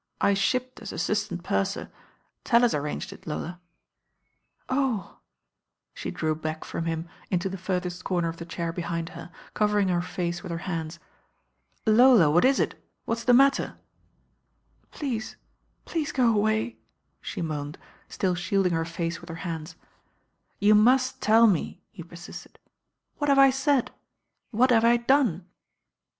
"I shipped as assistant purser. Tallis arranged it, Lola 1" "Oh I" She drew back from him into the furthest comer of the chair behind her, covering her face with her hands. "Lola, what is it; what's the matter?" "Please, please go away," she moaned, still shielding her face with her hands. "You must tell me," he persisted. "What have I said; what have I done?"